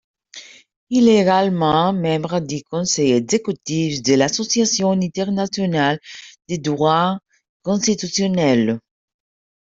Il est également membre du Conseil exécutif de l'Association internationale de droit constitutionnel.